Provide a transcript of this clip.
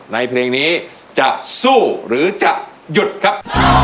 มาแล้วครับ